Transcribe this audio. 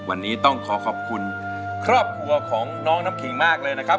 วันนี้ต้องขอขอบคุณครอบครัวของน้องน้ำขิงมากเลยนะครับ